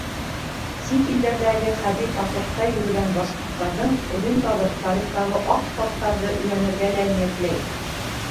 Сит илдәрҙәге хәрби походта йөрөгән башҡорттарҙың эҙен табып, тарихтағы аҡ таптарҙы өйрәнергә лә ниәтләй.